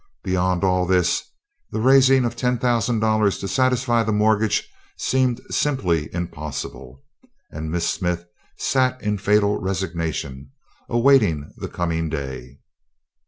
Beyond all this the raising of ten thousand dollars to satisfy the mortgage seemed simply impossible, and Miss Smith sat in fatal resignation, awaiting the coming day.